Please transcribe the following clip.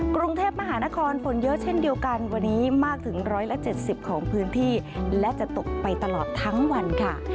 กรุงเทพมหานครฝนเยอะเช่นเดียวกันวันนี้มากถึง๑๗๐ของพื้นที่และจะตกไปตลอดทั้งวันค่ะ